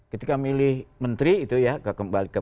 ketika milih menteri itu ya kembali ke